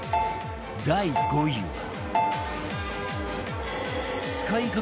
第５位は